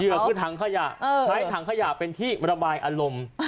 คือถังขยะใช้ถังขยะเป็นที่ระบายอารมณ์